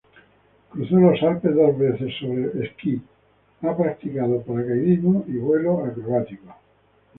Cruzó los Alpes dos veces sobre esquís, ha practicado paracaidismo y vuelo acrobático.